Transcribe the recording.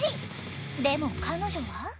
でも彼女は。